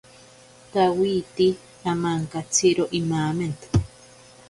Tawiti amankatsiro imamento.